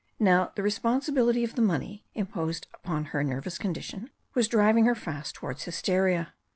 Now the responsibility of the money imposed upon her nervous condition was driving her fast toward hysteria.